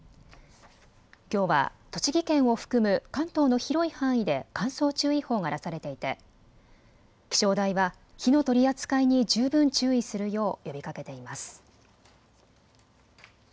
きょうは栃木県を含む関東の広い範囲で乾燥注意報が出されていて気象台は火の取り扱いに十分注意するよう呼びかけています。